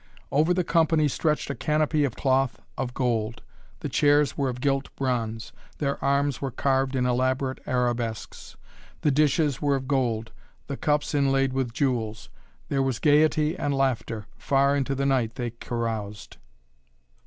Over the company stretched a canopy of cloth of gold. The chairs were of gilt bronze, their arms were carved in elaborate arabesques. The dishes were of gold; the cups inlaid with jewels. There was gayety and laughter. Far into the night they caroused.